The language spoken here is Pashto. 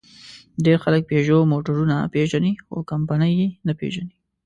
ډېر خلک پيژو موټرونه پېژني؛ خو کمپنۍ یې نه پېژني.